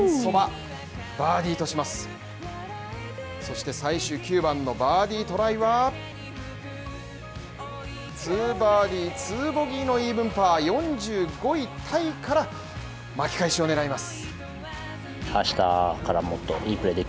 そして最終９番のバーディートライは２バーディー、２ボギーのイーブンパー４５位タイから巻き返しを狙います。